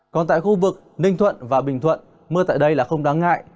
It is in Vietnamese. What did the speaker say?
còn tại khu vực ninh thuận và bình thuận mưa tại đây là không đáng ngại